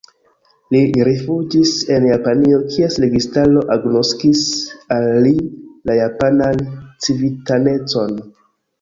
Li rifuĝis en Japanio, kies registaro agnoskis al li la japanan civitanecon.